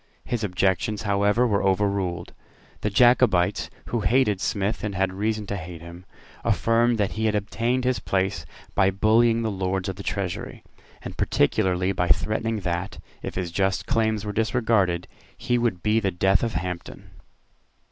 His objections however were overruled. The Jacobites, who hated Smith and had reason to hate him, affirmed that he had obtained his place by bullying the Lords of the Treasury, and particularly by threatening that, if his just claims were disregarded, he would be the death of Hampden.